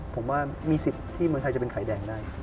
ผมว่ามีสิทธิ์ที่เมืองไทยจะเป็นไข่แดงได้